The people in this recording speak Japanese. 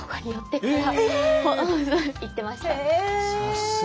さすが！